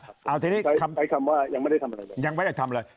ซึ่งตรงนี้ยังไม่ได้ทำอะไรเลย